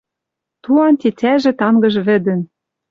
Туан тетяжӹ тангыж вӹдӹн.